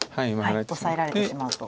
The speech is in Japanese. オサえられてしまうと。